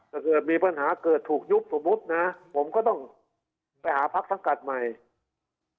เกิดมีปัญหาเกิดถูกยุบสมมุตินะผมก็ต้องไปหาพักสังกัดใหม่